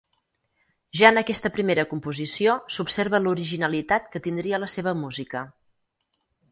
Ja en aquesta primera composició s'observa l'originalitat que tindria la seva música.